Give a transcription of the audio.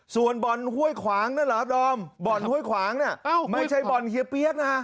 ส่วนบ่อนห้วยขวางนั่นเหรอดอมบ่อนห้วยขวางเนี่ยไม่ใช่บ่อนเฮียเปี๊ยกนะฮะ